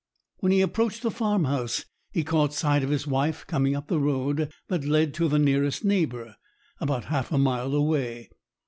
When he approached the farmhouse, he caught sight of his wife coming up the road that led to the nearest neighbour, about half a mile away.